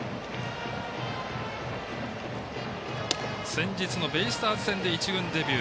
先日のベイスターズ戦で１軍デビュー。